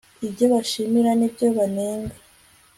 ibyo bashima n ibyo banenga